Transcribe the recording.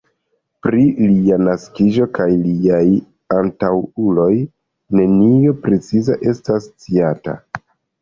Pri lia naskiĝo kaj liaj antaŭuloj nenio preciza estas sciata.